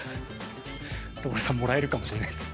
所さんもらえるかもしれないですよ。